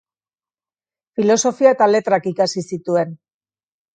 Filosofia eta Letrak ikasi zituen.